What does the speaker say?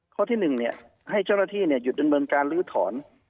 ข้อที่๑ให้เจ้าหน้าที่หยุดดำเนินการลื้อถอน